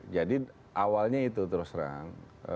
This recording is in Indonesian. jadi awalnya itu terus rang